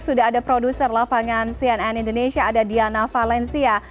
sudah ada produser lapangan cnn indonesia ada diana valencia